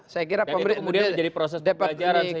saya kira kemudian jadi proses pembelajaran saya